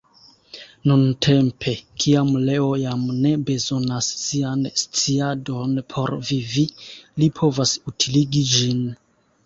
Nuntempe, kiam Leo jam ne bezonas sian sciadon por vivi, li povas utiligi ĝin.